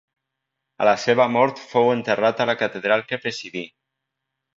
A la seva mort fou enterrat a la catedral que presidí.